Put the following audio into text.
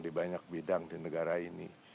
di banyak bidang di negara ini